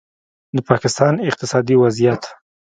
د پاکستان اقتصادي وضعیت